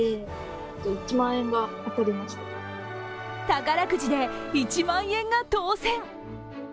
宝くじで１万円が当せん。